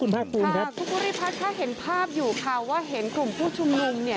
มัฑขวาครูนิพัทถ้าเห็นภาพอยู่ข่าวว่าเห็นกลุ่มผู้ชุมนุมเนี่ย